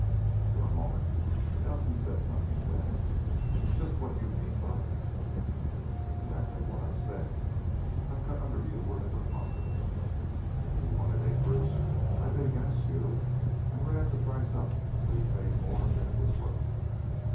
For a moment Nelson said nothing; then, "Just what do you mean by that?" "Exactly what I said. I've cut under you wherever possible. When you wanted acreage, I bid against you and ran the price up until you paid more than it was worth.